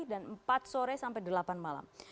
dan empat sore sampai delapan malam